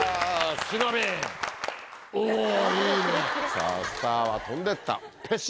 さぁスターは飛んでったペシっ！